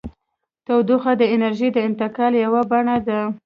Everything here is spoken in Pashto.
تودوخه د انرژۍ د انتقال یوه بڼه ده.